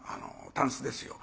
タンスですよ。